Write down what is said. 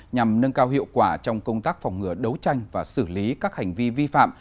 nhằm nâng cao hiệu quả trong công tác phòng ngừa đấu tranh và xử lý các hành vi vi phạm